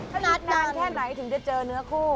ขนาดนานแค่ไหนถึงจะเจอเนื้อคู่